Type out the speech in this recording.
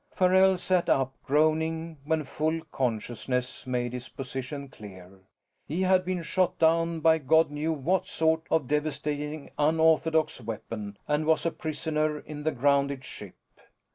Farrell sat up, groaning, when full consciousness made his position clear. He had been shot down by God knew what sort of devastating unorthodox weapon and was a prisoner in the grounded ship.